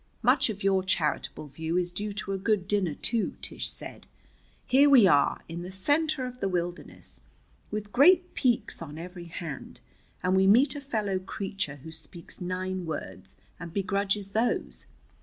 "Much of your charitable view is due to a good dinner too," Tish said. "Here we are, in the center of the wilderness, with great peaks on every hand, and we meet a fellow creature who speaks nine words, and begrudges those.